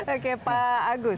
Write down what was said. oke pak agus